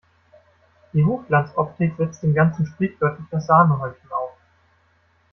Die Hochglanzoptik setzt dem Ganzen sprichwörtlich das Sahnehäubchen auf.